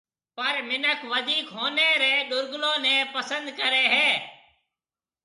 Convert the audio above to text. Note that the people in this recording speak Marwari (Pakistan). پر مِنک وڌِيڪ هونَي رَي ڏورگلون نَي پسند ڪري هيَ۔